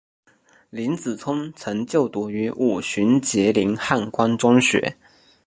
林子聪曾就读五旬节林汉光中学。